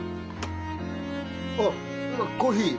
あっコーヒー！